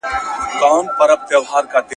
د ژوند په هره څانګه کي